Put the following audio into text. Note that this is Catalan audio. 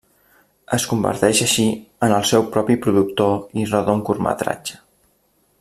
Es converteix així en el seu propi productor i roda un curtmetratge.